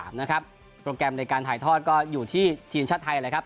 ถ้าชิงที่๓นะครับโปรแกรมในรายการถ่ายทอดก็อยู่ที่ทีมชาติไทยเลยครับ